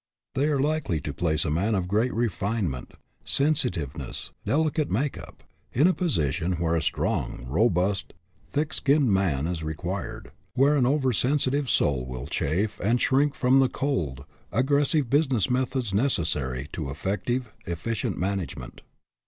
They are likely to place a man of great refinement, sensitive ness, delicate make up, in a position where a strong, robust, thick skinned man is required, where an oversensitive soul will chafe and shrink from the cold, aggressive business methods necessary to effective, efficient man agement.